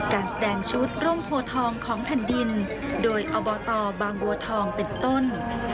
การแสดงชุดร่มโพทองของแผ่นดินโดยอบตบางบัวทองเป็นต้น